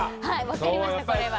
わかりましたこれは。